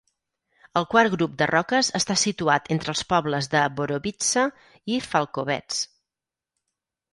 El quart grup de roques està situat entre els pobles de Borovitsa i Falkovets.